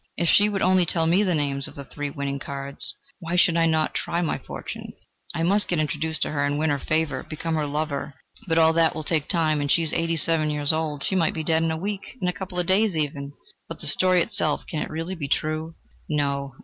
if she would only tell me the names of the three winning cards. Why should I not try my fortune? I must get introduced to her and win her favour become her lover... But all that will take time, and she is eighty seven years old: she might be dead in a week, in a couple of days even!... But the story itself: can it really be true?... No!